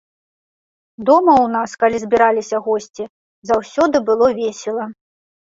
Дома ў нас, калі збіраліся госці, заўсёды было весела.